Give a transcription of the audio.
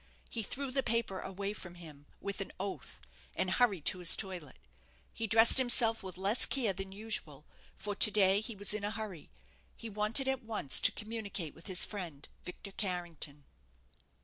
He threw the paper away from him, with an oath, and hurried to his toilet. He dressed himself with less care than usual, for to day he was in a hurry; he wanted at once to communicate with his friend, Victor Carrington.